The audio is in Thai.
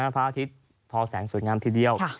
พระอาทิตย์ทอแสงสวยงามทีเดียว